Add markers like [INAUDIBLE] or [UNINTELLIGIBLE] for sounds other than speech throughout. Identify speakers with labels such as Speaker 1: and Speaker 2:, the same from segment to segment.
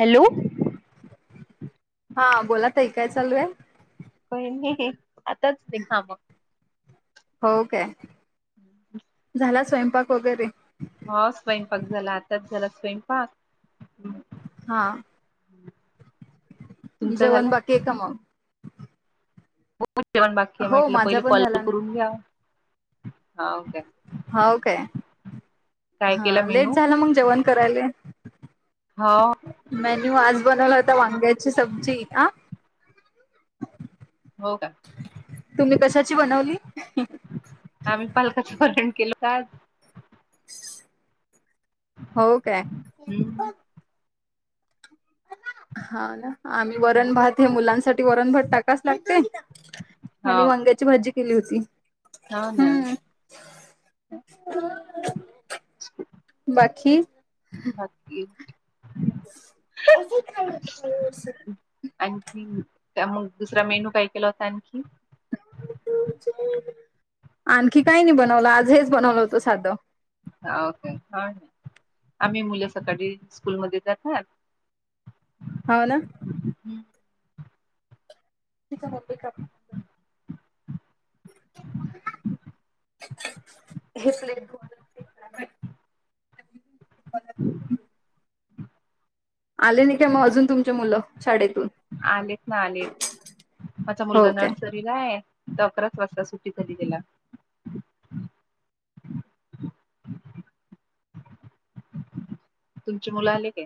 Speaker 1: Hello.
Speaker 2: हा बोला तई काय चालू आहे.
Speaker 1: काही नाही आताच झाली काम.
Speaker 2: हो काय झाला स्वयंपाक वगैरे.
Speaker 1: हो स्वयंपाक झाला आताच झाला स्वयंपाक.
Speaker 2: हा.
Speaker 1: तुमचा
Speaker 2: जेवण
Speaker 1: झाला
Speaker 2: बाकी आहे का मग?
Speaker 1: पण बाकी
Speaker 2: हो
Speaker 1: म्हटलं
Speaker 2: माझा
Speaker 1: पहिले
Speaker 2: पण
Speaker 1: कॉल
Speaker 2: झाला ना
Speaker 1: करून घ्या हा काय.
Speaker 2: हो काय
Speaker 1: काय केला
Speaker 2: हा लेट
Speaker 1: मेनू
Speaker 2: झालं मग जेवण करायला.
Speaker 1: हो.
Speaker 2: मेन्यू आज बनवला होता वांग्याची सब्जी आ.
Speaker 1: हो का
Speaker 2: तुम्ही कशाची बनवली?
Speaker 1: आम्ही पालकाचं वरण केलं होतं आज.
Speaker 2: हो काय. हा ना आम्ही वरण भात हे मुलांसाठी वरण भात टाकाच लागते. आणि वांग्याची भाजी केली होती.
Speaker 1: हा ना.
Speaker 2: हम्म बाकी
Speaker 1: बाकी
Speaker 2: [UNINTELLIGIBLE]
Speaker 1: आणखी त्या मग दुसरा मेनू काय केला होता आणखी.
Speaker 2: आणखी काही नाही बनवलं आज हेच बनवलं होतं साधं.
Speaker 1: ओके हा. आम्ही मुलं सकाळी स्कूलमध्ये जातात.
Speaker 2: होव ना.
Speaker 1: [INAUDIBLE]
Speaker 2: [UNINTELLIGIBLE] [UNINTELLIGIBLE] [UNINTELLIGIBLE] आले नाही का मग अजून तुमच्या मुलं शाळेत.
Speaker 1: आलेत ना आलेत माझा
Speaker 2: हो
Speaker 1: मुलगा
Speaker 2: काय
Speaker 1: नर्सरीला आहे. तर अकराच वाजता सुटी झाली गेला. तुमची मुलं आले का?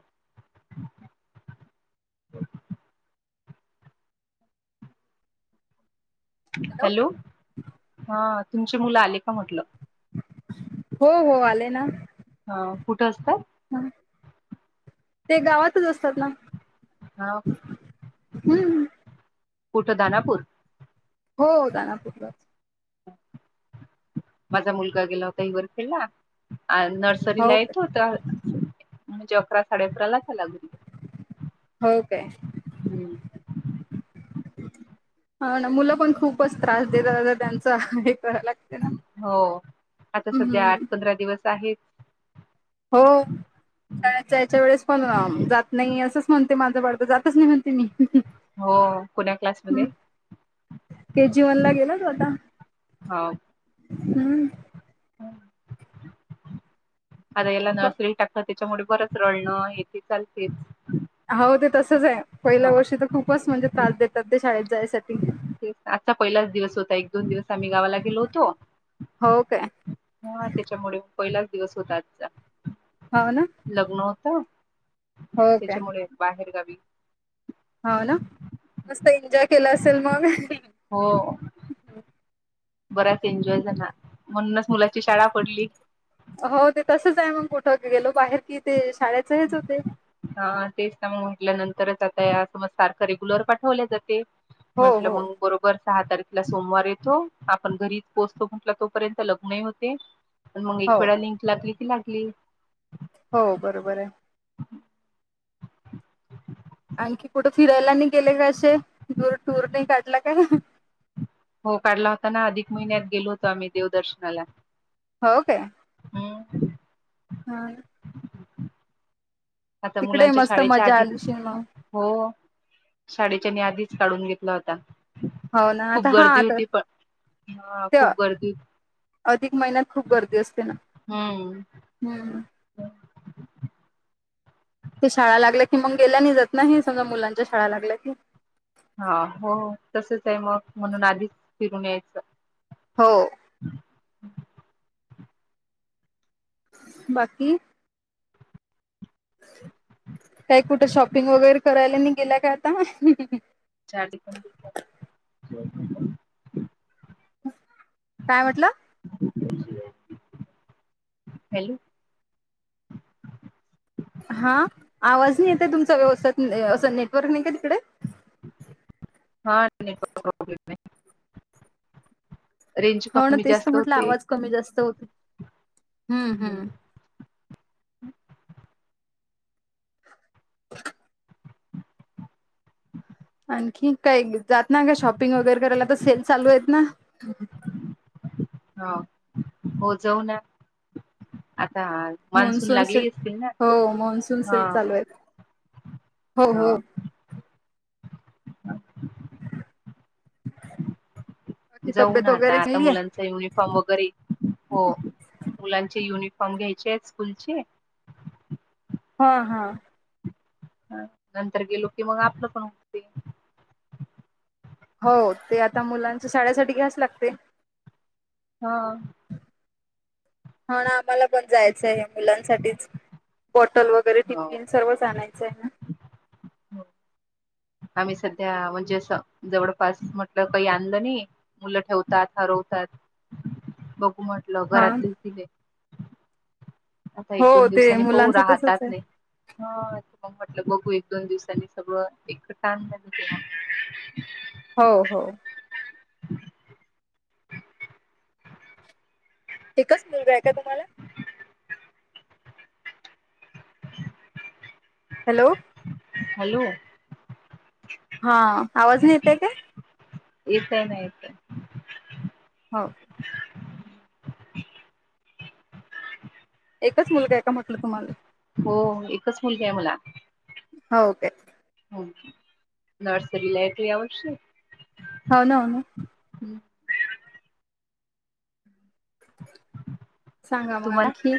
Speaker 1: हॅलो हा तुमचे मुलं आले का म्हटलं
Speaker 2: हो हो आले ना
Speaker 1: हा कुठं असतात.
Speaker 2: ह ते गावातच असतात ना
Speaker 1: हा.
Speaker 2: हम्म
Speaker 1: कुठं दनापूर.
Speaker 2: हो दानापूरला.
Speaker 1: माझा मुलगा गेला होता हिवर खेळला नर्सरीला
Speaker 2: हो काय
Speaker 1: येतो होता म्हणजे अकरा साडे अकरा ला आला घरी.
Speaker 2: हो काय.
Speaker 1: हमम..
Speaker 2: [INAUDIBLE] हा ना मुलं पण खूपच त्रास देतात त्यांच हे करां लागते ना.
Speaker 1: हो आता सध्या आठ
Speaker 2: हम्म
Speaker 1: पंधरा दिवस. आहेत.
Speaker 2: होय.. जा जायाच्या वेळेस पण जात नाही असंच म्हणते माझं बाडगं जातच नाही म्हणते मी.
Speaker 1: हो कोण्या
Speaker 2: हम
Speaker 1: क्लासमध्ये?
Speaker 2: ते जेवायला गेलेत आता.
Speaker 1: होय.
Speaker 2: हमम.
Speaker 1: आता याला नर्सरीला टाकत त्याच्यामुळे बरच रडणं हे ते चालते.
Speaker 2: हो ते तसच आहे, पहिल्या वर्षी तर खूपच म्हणजे त्रास देतात ते शाळेत जायसाठी.
Speaker 1: तेच आजचा पहिलाच दिवस होता एक दोन दिवस आम्ही गावाला गेलो होतो
Speaker 2: हो काय
Speaker 1: हा त्याच्यामुळे, पहिलाच दिवस होता आजचा
Speaker 2: हो ना
Speaker 1: लग्न होत.
Speaker 2: हो
Speaker 1: त्याच्यामुळे बाहेर गावी
Speaker 2: हा ना मस्त एन्जॉय केला असेल मग.
Speaker 1: हो बराच एन्जॉय झाला म्हनूनच मुल
Speaker 2: हो ते तसच आहे, मग कुठं गेलो बाहेर कि ते शाळेच हेच होते
Speaker 1: हा तेचत म म्हंटलं नंत तरच आता या समज सारखं रेग्युलर पाठवल्या जाते
Speaker 2: हो
Speaker 1: म्हटलं
Speaker 2: हो
Speaker 1: मग बरोबर सहा तारीखला सोमवार येतो, आपण घरी पोहोचतो म्हटलं तोपर्यंत लग्नही होते. मग
Speaker 2: हो
Speaker 1: एक वेळा लिंक लागली की लागली.
Speaker 2: हो बरोबर आहे. आणखी कुठं फिरायला नाही गेले का असे दूर, टूर नाही काढला का?
Speaker 1: हो काढला होता ना अधिक महिन्यात गेलो होतो, आम्ही देवदर्शनाला.
Speaker 2: हो का
Speaker 1: हम्म.
Speaker 2: हा!
Speaker 1: [INAUDIBLE] आता
Speaker 2: तिकडे
Speaker 1: मुलांच्या
Speaker 2: मस्त
Speaker 1: शाळेच्या
Speaker 2: मजा
Speaker 1: आधी,
Speaker 2: आलीशी मग
Speaker 1: हो शाळेच्या नी आधी काढून घेतला होता.
Speaker 2: हो ना आता
Speaker 1: खूप
Speaker 2: हा
Speaker 1: गर्दी
Speaker 2: आता
Speaker 1: होती पण, हा
Speaker 2: ते
Speaker 1: खूप गर्दी
Speaker 2: अधिक महिन्यात खूप गर्दी असते ना
Speaker 1: हम्म.
Speaker 2: हूं! ते शाळा लागल्या की मग गेल्या नि जात नाही हे सगळं मुलांच्या शाळा लागल्या की
Speaker 1: हा हो तसच आहे मग, म्हणून आधीक फिरून यायचं.
Speaker 2: हो!
Speaker 1: [INAUDIBLE]
Speaker 2: बाकी. काय कुठे शॉपिंग वगैरे करायला नही गेला का आता.
Speaker 1: चारिक [UNINTELLIGIBLE]
Speaker 2: काय म्हटलं?
Speaker 1: हॅलो!
Speaker 2: हा आवाज नही येत हे तुमचा व्यवस्थत असं नेटवर्क नही का तिकडे? [UNINTELLIGIBLE]
Speaker 1: हा नेटवर्क प्रॉब्लेम ये. रेंज
Speaker 2: हो ना
Speaker 1: कमी
Speaker 2: तेच तर
Speaker 1: जास्त
Speaker 2: म्हटलं
Speaker 1: होते. [INAUDIBLE]
Speaker 2: आवाज कमी जास्त होते हम्म हम्म आणखी काय जात ना काय शॉपिंग वगैरे करायला त सेल चालू आहेत ना [UNINTELLIGIBLE]
Speaker 1: हो हो जाऊ न्या आ मान्सून लागले असतील ना
Speaker 2: हो मान्सून
Speaker 1: हा!
Speaker 2: सेल चालू आहेत हो हो!
Speaker 1: हा
Speaker 2: बाकी
Speaker 1: जाऊन
Speaker 2: तब्येत
Speaker 1: आता,
Speaker 2: वगैरे
Speaker 1: आता
Speaker 2: चांगली आहे
Speaker 1: मुलांचा युनिफॉर्म वगैरे हो मुलांचे युनि पाहून घ्यायचे आहेत स्कूलचे.
Speaker 2: हा हा!
Speaker 1: ह नंतर गेलो की मग आपलं पण होते.
Speaker 2: हो ते आता मुलांच शाळे साठी घ्याच लागतय.
Speaker 1: हा!
Speaker 2: हो नां आम्हाला पण जायचं आहे मुलांसाठीच बॉटल वगैरे
Speaker 1: हो
Speaker 2: टिफिन सर्वच आणायचं आहे ना.
Speaker 1: आम्ही सध्या म्हणजे असं जवळपास म्हटलं काही आणलं नही, मुलं ठेवतात हरव बघू म्हटलं
Speaker 2: हा
Speaker 1: घरातलीच दीले आता एक
Speaker 2: हो
Speaker 1: दोन
Speaker 2: ते
Speaker 1: दिवसांनी पऊ
Speaker 2: मुलांचं
Speaker 1: राहतात
Speaker 2: तसच आहे
Speaker 1: नही म्हटलं बघू एक दोन दिवसांनी सगळं एक टाम झालं तेव्हा
Speaker 2: हो हो. एकच मुलगा आहे का तुम्हाला?
Speaker 1: [UNINTELLIGIBLE]
Speaker 2: हॅलो
Speaker 1: हॅलो
Speaker 2: हां आवाज नाही येतोय काय?
Speaker 1: येत आहे ना येत हाय.
Speaker 2: हो. एकच मुलगा आहे का म्हटलं तुम्हाला?
Speaker 1: हो एकच मुलगी आहे मला.
Speaker 2: हो काय?
Speaker 1: हं नर्सरी लायटि आवडशी
Speaker 2: होन ना हो ना.
Speaker 1: [INAUDIBLE]
Speaker 2: सांगा मग
Speaker 1: तुम्हाला
Speaker 2: आणखी?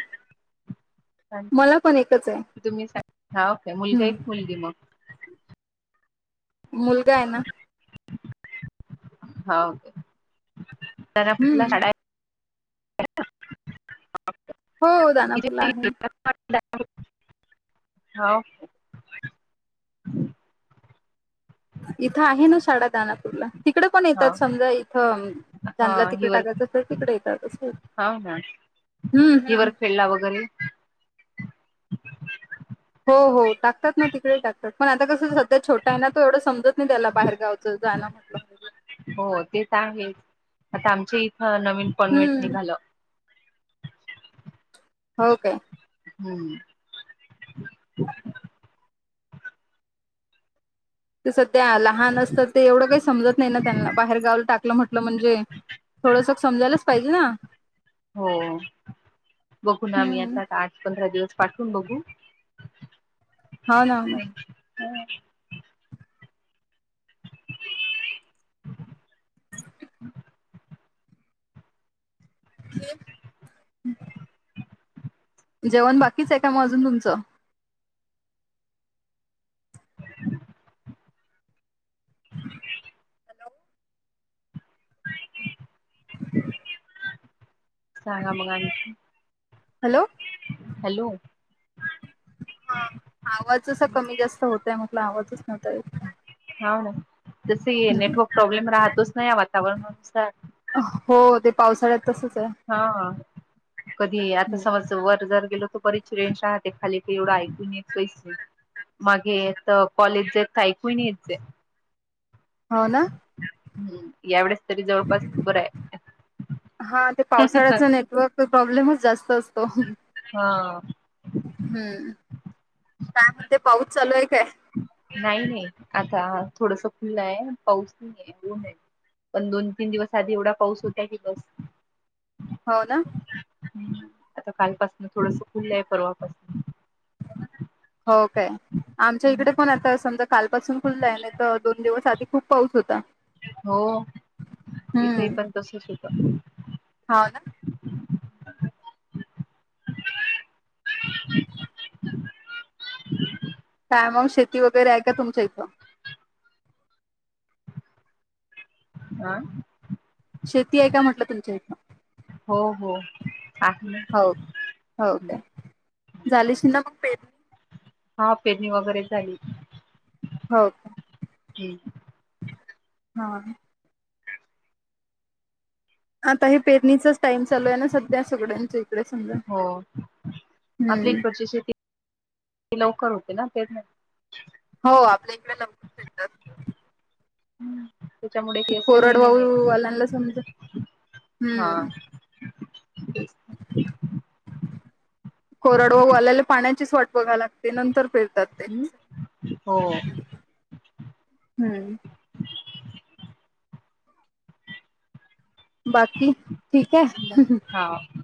Speaker 2: मला पण एकच आहे.
Speaker 1: तुम्ही हा ओके मुलगा आहे
Speaker 2: हम्म
Speaker 1: का मुलगी मग?
Speaker 2: मुलगा आहे ना.
Speaker 1: हां ओके
Speaker 2: हम्म
Speaker 1: [UNINTELLIGIBLE]
Speaker 2: हो दानापूरला आहे
Speaker 1: [UNINTELLIGIBLE] [UNINTELLIGIBLE] हो.
Speaker 2: इथं आहे ना साडा दानापूरला तिकडे पण
Speaker 1: हा
Speaker 2: येतात समजा इथं त्यांनला
Speaker 1: हा
Speaker 2: तिकडे
Speaker 1: हिवर
Speaker 2: टाकायचं असेल तिकडे येतात असेल.
Speaker 1: हिवर खेळला वगैरे
Speaker 2: हो हो टाकतात ना तिकडे टाकतात पण आता कसं सध्या छोटा आहे ना तो एवढं समजत नाही त्याला बाहेर गावचं जा म्हटलं म्हणजे ते.
Speaker 1: हो ते तर आहेच आता आमच्या इथं नवीन कॉन्व्हेट
Speaker 2: हम्म
Speaker 1: निघालं.
Speaker 2: हो काय?
Speaker 1: हम्म.
Speaker 2: ते सध्या लहान असतं ते एवढं काही समजत नाही ना त्यांना बाहेर गावला टाकलं म्हटलं म्हणजे थोडस समजायलाच पाहिजे ना.
Speaker 1: हो बघू ना आम्ही
Speaker 2: हम्म
Speaker 1: आता आठ पंधरा दिवस पाठवून बघू?
Speaker 2: हो ना हो ना
Speaker 1: हं
Speaker 2: [INAUDIBLE] जेवण बाकीच आहे का मग अजून तुमचं?
Speaker 1: [INAUDIBLE]
Speaker 2: [INAUDIBLE]
Speaker 1: [INAUDIBLE]
Speaker 2: [INAUDIBLE]
Speaker 1: सांगा मग आणखी?
Speaker 2: हॅलो
Speaker 1: हॅलो
Speaker 2: आवाज असा कमी जास्त होतय म्हटलं [UNINTELLIGIBLE]
Speaker 1: हो ना तसही नेटवर्क प्रॉब्लेम राहतोच नाही या वातावरणानुसार.
Speaker 2: हो ते पावसाळ्यात तसच
Speaker 1: हां कधी आता
Speaker 2: आहे
Speaker 1: समज वर जर गेलो तर [UNINTELLIGIBLE] ते खाली एवढं ऐकून येत मागे इथ कॉलेज जेथ ऐकून नाही येत.
Speaker 2: हो ना
Speaker 1: हम् यावेळेस तरी जवळपास बर आहे
Speaker 2: हा ते पावसाळ्याचा नेटवर्क च प्रॉब्लेमच जास्त असतो
Speaker 1: हा
Speaker 2: हम्म काय म्हणते पाऊस चालू आहे काय
Speaker 1: नाही नाही आता थोडस खुलं आहे पाऊस नाही आहे ऊन आहे पण दोन तीन दिवस आधी एवढा पाऊस होता की बस
Speaker 2: हो ना
Speaker 1: आता कालपासून थोडस खुललं आहे परवापासून
Speaker 2: हो काय आमच्या इकडे पण आता समजा कालपसून खुल्लं आहे ना तर दोन दिवस आधी खूप पाऊस होता
Speaker 1: हो इथे
Speaker 2: हम्म
Speaker 1: पण तसच होत
Speaker 2: हो ना
Speaker 1: [UNINTELLIGIBLE]
Speaker 2: कायमग शेती वगैरे आहे का तुमच्या इथं
Speaker 1: आ
Speaker 2: शेती आहे का म्हटलं तुमचं हथनं
Speaker 1: हो हो आहे ना
Speaker 2: हो हो का झालीश ना मग पेरणी
Speaker 1: हां पेरणी वगैरे झाली.
Speaker 2: हो का हां. आता हे पेरणीचाच टाइम चालू आहे ना सध्या सगळ्यांच इकडे समजा.
Speaker 1: हो आपल्या
Speaker 2: हम्म
Speaker 1: इकडची शेती लवकर होते ना पेरण्या?
Speaker 2: हो आपल्या इकडे लवकर भेटतात.
Speaker 1: हम्म त्याच्यामुळे
Speaker 2: ते
Speaker 1: की असं हे नाही
Speaker 2: कोरडवाहू वाल्यांना समजा
Speaker 1: आहे हा
Speaker 2: हम्म
Speaker 1: ब
Speaker 2: कोरड वाहू वाल्याले पाण्याची स् वाट बघाय लाग ते नंतर फिरतात ते
Speaker 1: हम्म हो
Speaker 2: हम्म बाकी ठीक आहे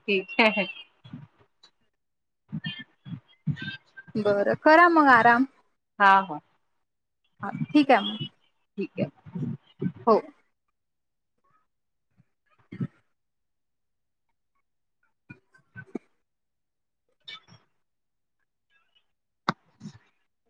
Speaker 1: क ह
Speaker 2: बरं खरा मग आराम
Speaker 1: हा हा
Speaker 2: हा ठीक आहे मग
Speaker 1: ठीक आहे
Speaker 2: हो हम
Speaker 1: ह